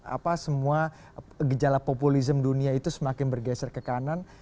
apa semua gejala populisme dunia itu semakin bergeser ke kanan